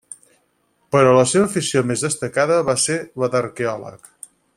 Però la seva afició més destacada va ser la d'arqueòleg.